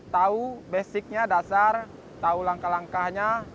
tahu basicnya dasar tahu langkah langkahnya